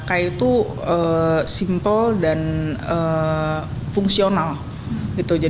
tas ini dibuat untuk kaum urban dengan kesibukan dan mobilitas yang tinggi di perkantoran